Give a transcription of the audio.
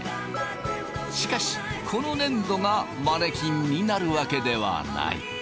しかしこの粘土がマネキンになるわけではない。